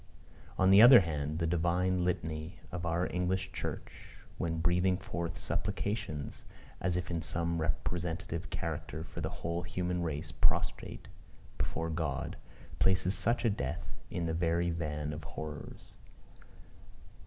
On the other hand, the divine Litany of our English Church, when breathing forth supplications, as if in some representative character for the whole human race prostrate before God, places such a death in the very van of horrors.